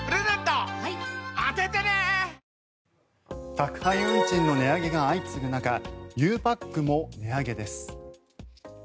宅配運賃の値上げが相次ぐ中ゆうパックも値上げです。